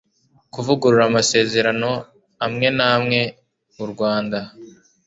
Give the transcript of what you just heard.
kuvugurura amasezerano amwe n'amwe u rwanda